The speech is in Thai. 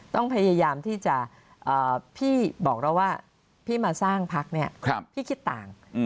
ต้องพยายามที่จะพี่บอกเราว่าพี่มาสร้างพักเนี่ยพี่คิดต่าง